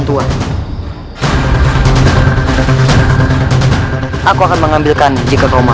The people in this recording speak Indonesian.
tidak aku akan mengambilkan jika kau mau